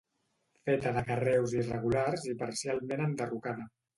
Feta de carreus irregulars i parcialment enderrocada.